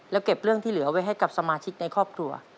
แล้วเก็บเรื่องที่เหลือไว้ให้กับสมาชิกในครอบครัว